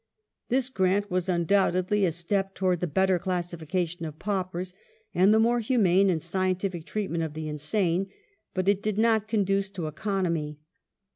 This grant was undoubtedly a step towards the better classification of paupers and the more humane and scientific treatment of the insane, but it did not conduce to economy.